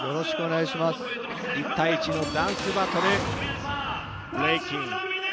１対１のダンスバトル、ブレイキン。